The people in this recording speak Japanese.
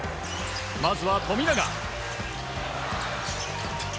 まずは富永。